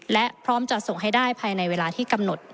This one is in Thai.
และพร้อมจะส่งให้ได้ภายในเวลาที่กำหนด